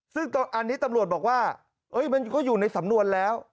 ซึ่งอันนี้ตำรวจบอกว่ามันก็อยู่ในสำนวนแล้ว